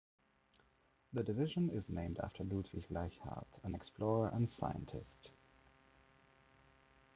The division is named after Ludwig Leichhardt, an explorer and scientist.